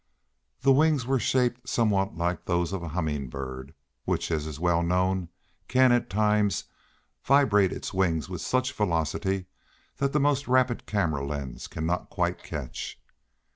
The wings were shaped somewhat like those of a humming bird, which, as is well known, can, at times, vibrate its wings with such velocity that the most rapid camera lens cannot quite catch.